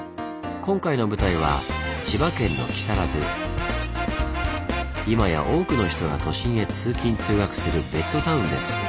今回の舞台は今や多くの人が都心へ通勤通学するベッドタウンです。